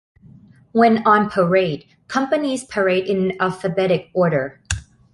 When on parade, companies parade in alphabetic order.